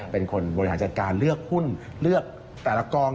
เป็นคนบริหารจัดการเลือกหุ้นเลือกแต่ละกอง